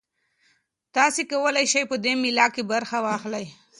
تاسي کولای شئ په دې مېله کې برخه واخلئ.